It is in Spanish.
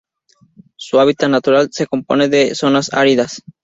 Su hábitat natural se compone de zonas áridas.